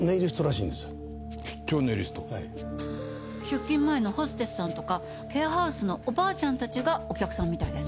出勤前のホステスさんとかケアハウスのおばあちゃんたちがお客さんみたいです。